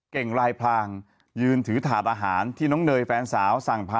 เขาคงไม่โกหก